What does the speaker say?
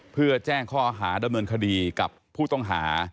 เพื่อแจ้งข้อหาดำเนินคดีกับผู้ต้องหา